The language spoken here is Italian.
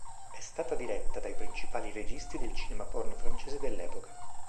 È stata diretta dai principali registi del cinema porno francese dell'epoca.